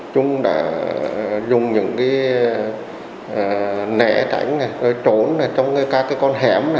chúng đã dùng những nẻ tránh trốn trong các con hẻm